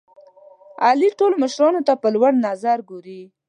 علي ټول مشرانو ته په لوړ نظر ګوري.